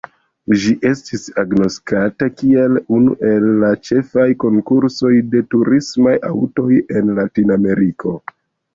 Ĝi estis agnoskata kiel unu el la ĉefaj konkursoj de turismaj aŭtoj en Latinameriko.